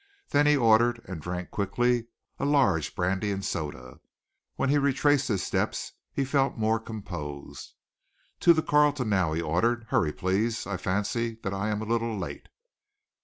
There he ordered and drank quickly a large brandy and soda. When he retraced his steps, he felt more composed. "To the Carlton now," he ordered. "Hurry, please. I fancy that I am a little late."